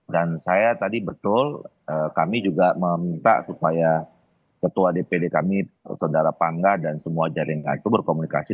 dan saya tadi betul kami juga meminta supaya ketua dpd kami saudara pangga dan semua jaringan itu berkomunikasi